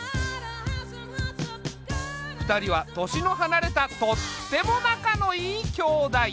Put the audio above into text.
２人は年の離れたとっても仲のいい兄妹。